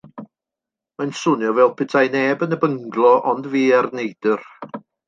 Mae'n swnio fel petai neb yn y byngalo ond fi a'r neidr.